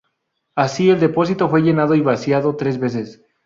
Así, el depósito fue llenado y vaciado tres veces.